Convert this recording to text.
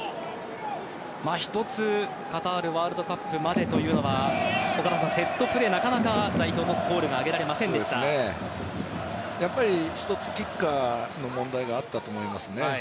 一つカタールワールドカップまでというのはセットプレー、なかなか代表、ゴールが一つ、キッカーの問題があったと思います。